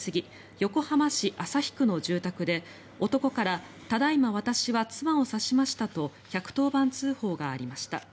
横浜市旭区の住宅で男からただ今私は妻を刺しましたと１１０番通報がありました。